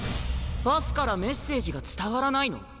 パスからメッセージが伝わらないの？